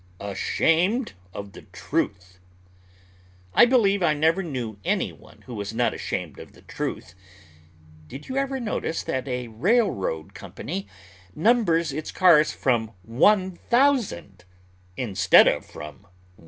ASHAMED OF THE TRUTH I believe I never knew any one who was not ashamed of the truth. Did you ever notice that a railroad company numbers its cars from 1,000, instead of from 1?